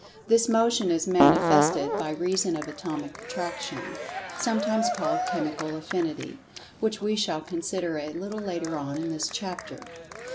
This Motion is manifested by reason of Atomic Attraction, sometimes called "Chemical Affinity," which we shall consider a little later on in the chapter.